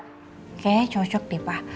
kayaknya cocok nih pak